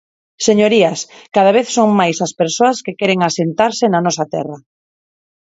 Señorías, cada vez son máis as persoas que queren asentarse na nosa terra.